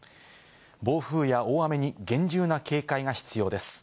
暴風や大雨に厳重な警戒が必要です。